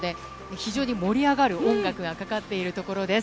非常に盛り上がる音楽がかかっています。